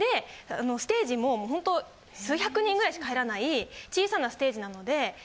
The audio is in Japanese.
ステージももうホント数百人ぐらいしか入らない小さなステージなので。